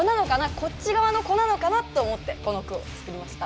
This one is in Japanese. こっち側の子なのかなと思ってこの句を作りました。